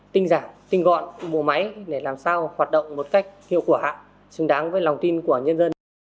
tinh giản tinh gọn bộ máy để làm sao hoạt động một cách hiệu quả xứng đáng với lòng tin của nhân dân